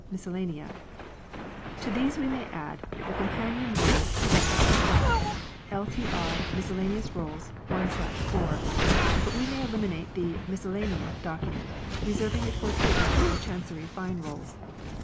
Miscellanea ". To these we may add the com panion roll to that just described L.T.R. Miscellane ous Rolls, 1/4 : but we may eliminate the " Miscel lanea " document, reserving it for treatment with the Chancery Fine Rolls.